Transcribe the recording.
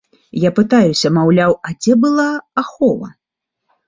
Я пытаюся, маўляў, а дзе была ахова?